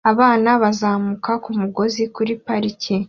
Abana bazamuka ku mugozi kuri parike